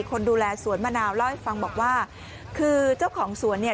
คนดูแลสวนมะนาวเล่าให้ฟังบอกว่าคือเจ้าของสวนเนี่ย